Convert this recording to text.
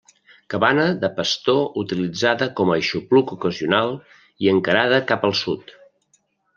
Cabana de pastor utilitzada com a aixopluc ocasional i encarada cap al sud.